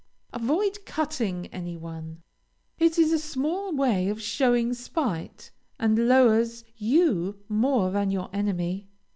Avoid "cutting" any one. It is a small way of showing spite, and lowers you more than your enemy.